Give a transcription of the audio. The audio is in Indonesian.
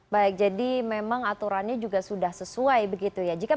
baik jadi memang aturannya juga sudah sesuai begitu ya